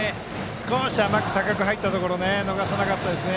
少し甘く高く入ったところ逃さなかったですね。